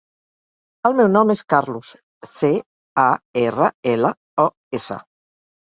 El meu nom és Carlos: ce, a, erra, ela, o, essa.